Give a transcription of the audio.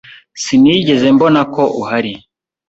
Sinigeze mbona ko uhari.